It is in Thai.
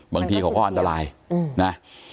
บางทีเขาก็อันตรายนะ